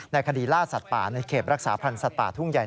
คดีล่าสัตว์ป่าในเขตรักษาพันธ์สัตว์ป่าทุ่งใหญ่